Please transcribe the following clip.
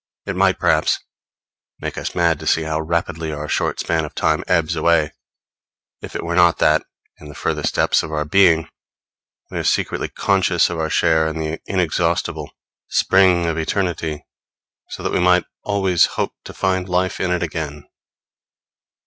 It might, perhaps, make us mad to see how rapidly our short span of time ebbs away; if it were not that in the furthest depths of our being we are secretly conscious of our share in the exhaustible spring of eternity, so that we can always hope to find life in it again.